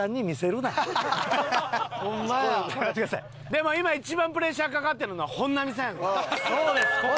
でも今一番プレッシャーかかってるのは本並さんやで多分。